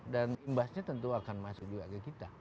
dan imbasnya tentu akan masuk juga ke kita